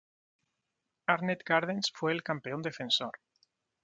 Arnett Gardens fue el campeón defensor.